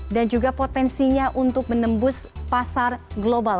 dan juga potensinya untuk menembus pasar global